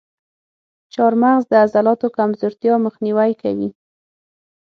چارمغز د عضلاتو کمزورتیا مخنیوی کوي.